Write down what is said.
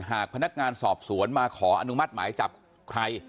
หากพนักงานสอบสวนมาขออนุมัติหมายจับใคร